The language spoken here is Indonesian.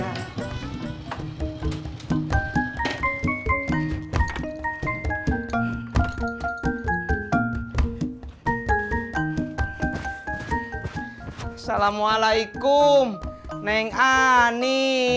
assalamualaikum neng ani